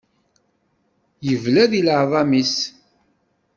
Yebla di leɛḍam-is.